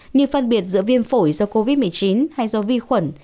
như phân biệt giữa viêm phổi do covid một mươi chín hay do vi khuẩn